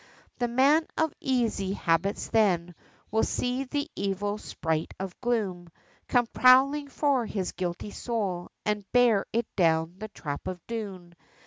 The man of easy habits then, will see the evil sprite of gloom, Come prowling for his guilty soul, and bear it down the trap of doom.